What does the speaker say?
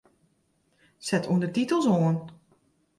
Set ûndertitels oan.